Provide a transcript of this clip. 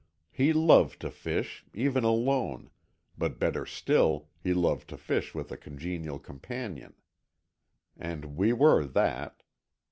He loved to fish, even alone, but better still, he loved to fish with a congenial companion. And we were that.